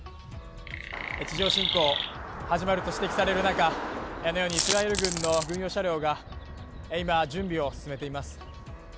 地上侵攻、始まると指摘される中、あのようにイスラエル軍の軍用車両が今、準備を進めています。